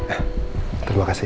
eh terima kasih